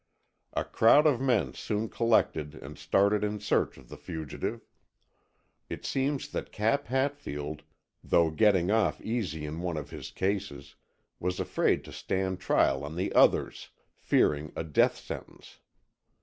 A crowd of men soon collected and started in search of the fugitive. It seems that Cap Hatfield, though getting off easy in one of his cases, was afraid to stand trial on the others, fearing a death sentence.